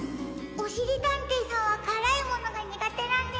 おしりたんていさんはからいものがにがてなんです。